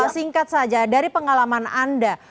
singkat saja dari pengalaman anda